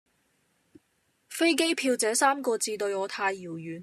飛機票這三個字對我太遙遠